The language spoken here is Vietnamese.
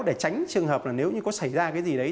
để tránh trường hợp là nếu như có xảy ra cái gì đấy